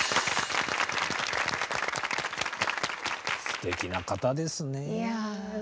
すてきな方ですね。